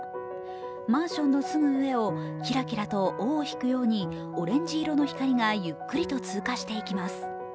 マンションのすぐ上をキラキラと尾を引くようにオレンジ色の光がゆっくりと通過していきます。